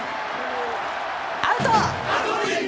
アウト！